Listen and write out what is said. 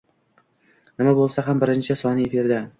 Nima boʻlsa ham birinchi soni efirda.